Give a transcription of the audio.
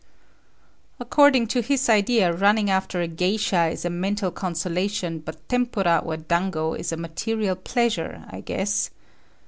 "According to his idea, running after a geisha is a mental consolation but tempura or dango is a material pleasure, I guess.